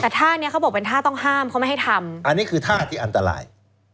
แต่ท่านี้เขาบอกเป็นท่าต้องห้ามเขาไม่ให้ทำอันนี้คือท่าที่อันตราย